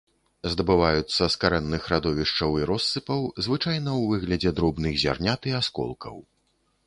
Здабываюцца з карэнных радовішчаў і россыпаў, звычайна ў выглядзе дробных зярнят і асколкаў.